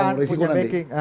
ya ada risiko nanti